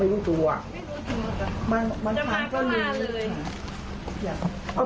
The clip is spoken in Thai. ไม่รู้ตัวจะมาก็มาเลย